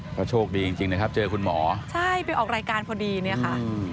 เพราะโชคดีจริงจริงนะครับเจอคุณหมอใช่ไปออกรายการพอดีเนี่ยค่ะ